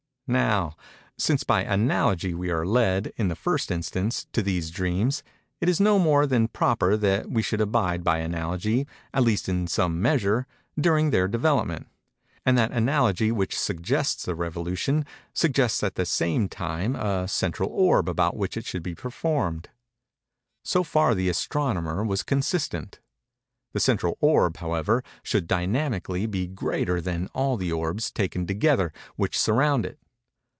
Now, since by "analogy" we are led, in the first instance, to these dreams, it is no more than proper that we should abide by analogy, at least in some measure, during their development; and that analogy which suggests the revolution, suggests at the same time a central orb about which it should be performed:—so far the astronomer was consistent. This central orb, however, should, dynamically, be greater than all the orbs, taken together, which surround it.